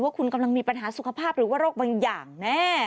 ว่าคุณกำลังมีปัญหาสุขภาพหรือว่าโรคบางอย่างแน่